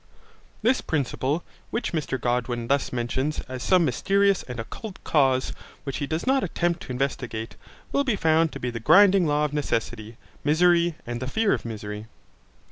This principle, which Mr Godwin thus mentions as some mysterious and occult cause and which he does not attempt to investigate, will be found to be the grinding law of necessity, misery, and the fear of misery.